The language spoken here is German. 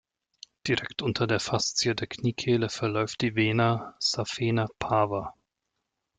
Direkt unter der Faszie der Kniekehle verläuft die Vena saphena parva.